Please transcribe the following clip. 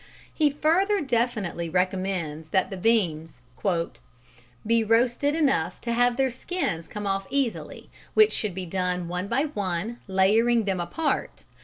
He further definitely recommends that the beans "be roasted enough to have their skins come off easily, which should be done one by one, laying them apart